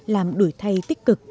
làm đổi thay tích cực